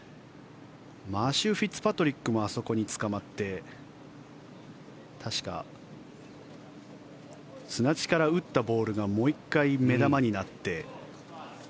マシュー・フィッツパトリックもあそこにつかまって確か砂地から打ったボールがもう１回、目玉になって。